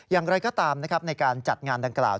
อย่างไรก็ตามนะครับในการจัดงานดังกล่าว